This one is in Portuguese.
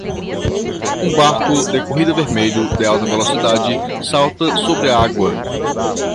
Um barco de corrida vermelho de alta velocidade salta sobre a água.